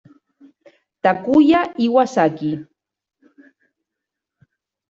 Takuya Iwasaki